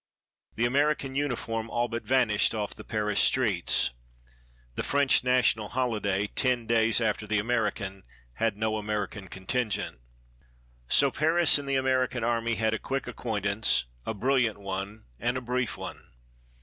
The American uniform all but vanished off the Paris streets. The French national holiday, ten days after the American, had no American contingent. So Paris and the American Army had a quick acquaintance, a brilliant one and a brief one.